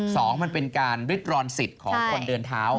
สองมันเป็นการริดรอนสิทธิ์ของคนเดินเท้า